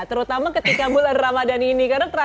terutama ketika bulan ramadan ini